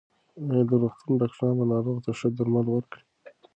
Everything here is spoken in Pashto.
ایا د روغتون ډاکټران به ناروغ ته ښه درمل ورکړي؟